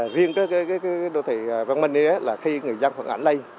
riêng cái đô thị văn minh ấy là khi người dân phản ánh lây